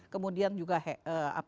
kemudian juga lemak